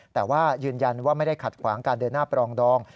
แต่ว่ายืนยันว่าไม่ได้ขัดขวางการเดินหน้าปรองดอง